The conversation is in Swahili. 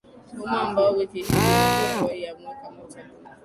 humo ambayo wiki hii inatakiwa iamuwe kama uchaguzi